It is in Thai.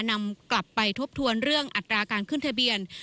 นำกลับไปทบทวนเรื่องอัตราการขึ้นทะเบียน